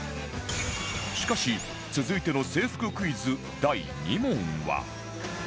しかし続いての制服クイズ第２問は